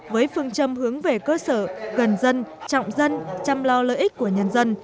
với phương châm hướng về cơ sở gần dân trọng dân chăm lo lợi ích của nhân dân